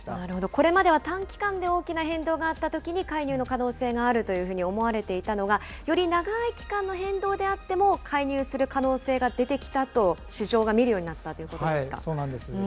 これまでは短期間で大きな変動があったときに介入の可能性があるというふうに思われていたのが、より長い期間の変動であっても介入する可能性が出てきたと、市場が見るようになっそうなんです。